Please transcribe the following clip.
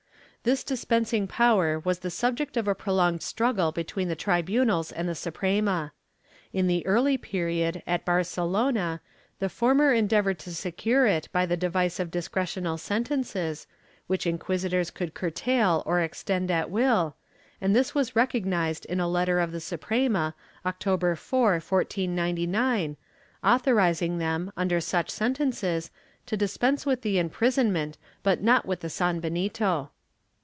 This dispensing power was the subject of a prolonged struggle between the tribunals and the Suprema. In the early period, at Barce lona, the former endeavored to secure it by the device of discre tional sentences, which inquisitors could curtail or extend at will, and this was recognized in a letter of the Suprema, October 4, 1499, authorizing them, under such sentences, to dispense with the imprisonment but not with the sanbenito.